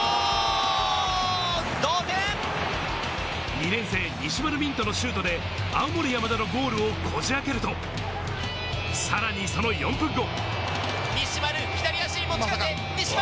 ２年生・西丸道人のシュートで青森山田のゴールをこじあけると、さらにその４分後。